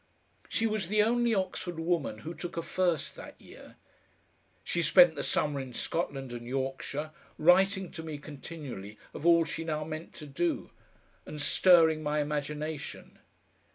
She was the only Oxford woman who took a first that year. She spent the summer in Scotland and Yorkshire, writing to me continually of all she now meant to do, and stirring my imagination.